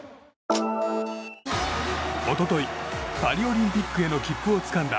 一昨日、パリオリンピックへの切符をつかんだ